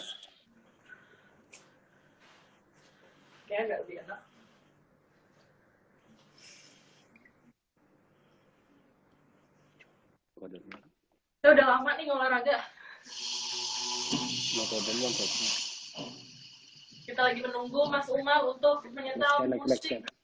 udah lama nih olahraga kita lagi menunggu mas umar untuk menyentuh musik